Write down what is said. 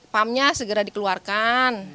pumpnya segera dikeluarkan